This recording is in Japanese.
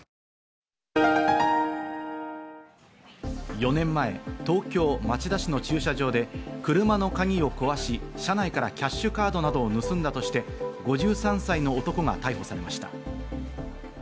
４年前、東京・町田市での駐車場で車の鍵を壊し車内からキャッシュカードなどを盗んだとして、５３歳の男が逮捕されました。